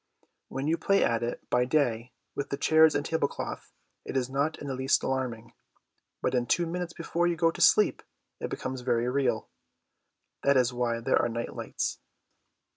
When you play at it by day with the chairs and table cloth, it is not in the least alarming, but in the two minutes before you go to sleep it becomes very real. That is why there are night lights.